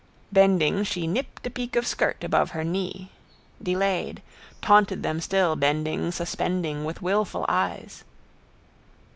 _ Bending, she nipped a peak of skirt above her knee. Delayed. Taunted them still, bending, suspending, with wilful eyes.